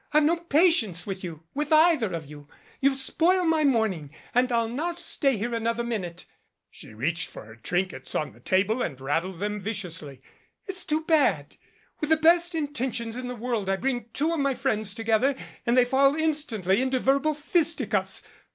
I've no patience with you with either of you. You've spoiled my morning, and I'll not stay here another min ute." She reached for her trinkets on the table and rat tled them viciously. "It's too bad. With the best in tentions in the world I bring two of my friends together and they fall instantly into verbal fisticuffs.